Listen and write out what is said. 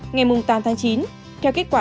ngày tám tháng chín theo kết quả